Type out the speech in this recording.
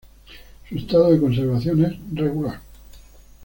Su estado de conservación es regular.